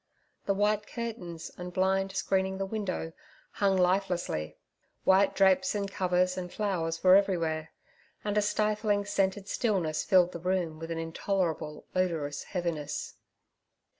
The white curtains and blind screening the window hung lifelessly; white drapes and covers and flowers were everywhere; and a stifling scented stillness filled the room with an intolerable odorous heaviness.